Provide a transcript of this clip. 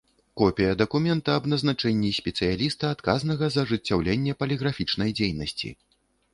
Копiя дакумента аб назначэннi спецыялiста, адказнага за ажыццяўленне палiграфiчнай дзейнасцi.